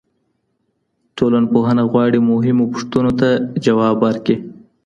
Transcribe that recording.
ټولنپوهنه غواړي مهمو پوښتنو ته ځواب ورکړي.